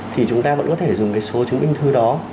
thì chúng ta vẫn có thể dùng cái số chứng minh thư đó